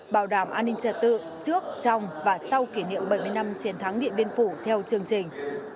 bảo đảm an ninh trật tự trước trong và sau kỷ niệm bảy mươi năm chiến thắng điện biên phủ theo chương trình